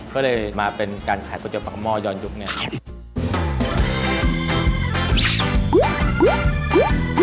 ก็เลยมาเป็นการขายก๋วยเตีปากหม้อย้อนยุคเนี่ย